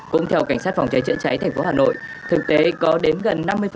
cũng theo cảnh sát phòng cháy chữa cháy tp hà nội thực tế có đến gần năm mươi